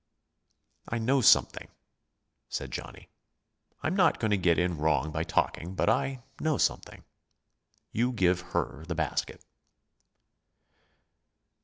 "I know something," said Johnny. "I'm not going to get in wrong by talking, but I know something. You give her the basket."